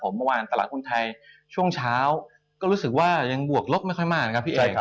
เมื่อวานตลาดหุ้นไทยช่วงเช้าก็รู้สึกว่ายังบวกลบไม่ค่อยมากนะครับพี่เอก